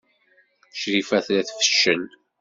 Crifa tella tfeccel.